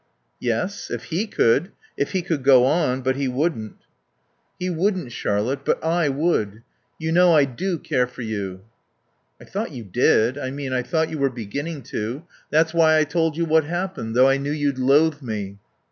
"Yes. If he could. If he could go on. But he wouldn't." "'He' wouldn't, Charlotte. But I would.... You know I do care for you?" "I thought you did I mean I thought you were beginning to. That's why I told you what happened, though I knew you'd loathe me."